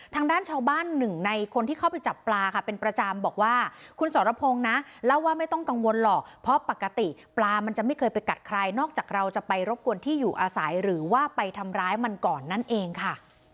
ทางด้านชาวบ้านหนึ่งในคนที่เข้าไปจับปลาค่ะเป็นประจำบอกว่าคุณสรพงศ์นะเล่าว่าไม่ต้องกังวลหรอกเพราะปกติปลามันจะไม่เคยไปกัดใครนอกจากเราจะไปรบกวนที่อยู่อาศัยหรือว่าไปทำร้ายมันก่อนนั่นเองค่ะ